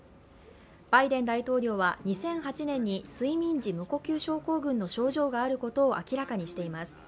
バイデン大統領は２００８年に睡眠時無呼吸症候群の症状があることを明らかにしています。